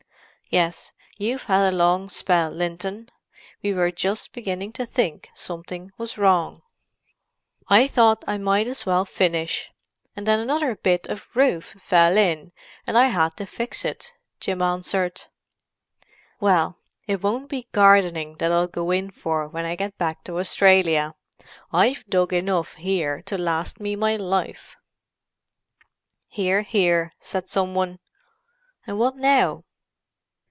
"Yes—you've had a long spell, Linton. We were just beginning to think something was wrong." "I thought I might as well finish—and then another bit of roof fell in, and I had to fix it," Jim answered. "Well, it won't be gardening that I'll go in for when I get back to Australia; I've dug enough here to last me my life!" "Hear, hear!" said some one. "And what now?"